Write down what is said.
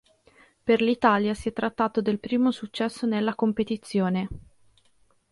Per l'Italia si è trattato del primo successo nella competizione.